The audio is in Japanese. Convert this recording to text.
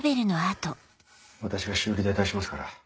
私が修理代出しますから。